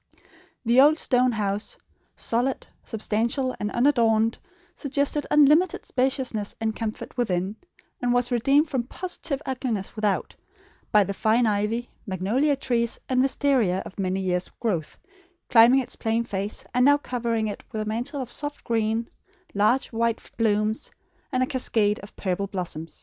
The old stone house, solid, substantial, and unadorned, suggested unlimited spaciousness and comfort within; and was redeemed from positive ugliness without, by the fine ivy, magnolia trees, and wistaria, of many years' growth, climbing its plain face, and now covering it with a mantle of soft green, large white blooms, and a cascade of purple blossom.